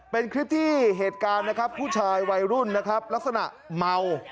เป็นคลิปที่เหตุการณ์นะครับผู้ชายวัยรุ่นนะครับลักษณะเมา